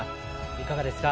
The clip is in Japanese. いかがですか？